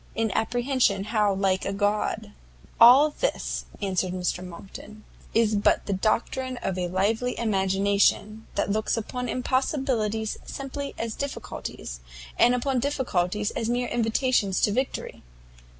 in apprehension how like a God!_" [Footnote: Hamlet.] "All this," answered Mr Monckton, "is but the doctrine of a lively imagination, that looks upon impossibilities simply as difficulties, and upon difficulties as mere invitations to victory.